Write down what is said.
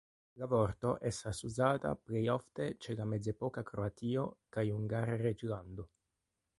La vorto estas uzata plej ofte ĉe la mezepoka Kroatio kaj Hungara Reĝlando.